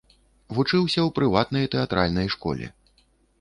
Вучыўся ў прыватнай тэатральнай школе.